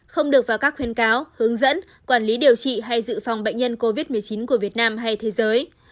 không được vào các khuyên cáo hướng dẫn quản lý điều trị hay dự phòng bệnh nhân covid một mươi chín của việt nam hay thế giới